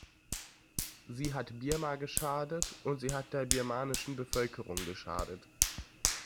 Sie hat Birma geschadet, und sie hat der birmanischen Bevölkerung geschadet.